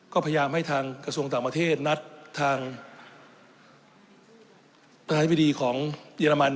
ก็พยายามให้ทางกระทรวงต่างประเทศนัดทางประธานาธิบดีของเยอรมัน